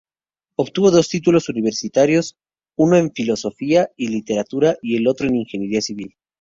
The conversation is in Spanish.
Obtuvo dos títulos universitarios, uno en Filosofía y Literatura y otro en Ingeniería Civil.